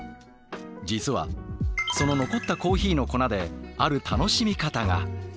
実はその残ったコーヒーの粉である楽しみ方が。